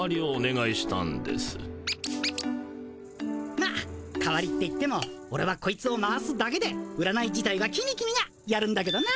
まっ代わりっていってもオレはこいつを回すだけで占い自体はキミキミがやるんだけどな。